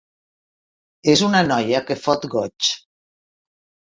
És una noia que fot goig.